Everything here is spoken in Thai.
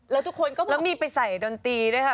แล้วทุกคนก็มีแล้วมีไปใส่ดนตรีด้วยค่ะ